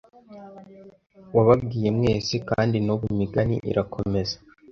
Wababwiye mwese kandi nubu imigani irakomeza